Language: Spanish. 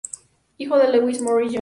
Hijo de "Lewis Morris Jr.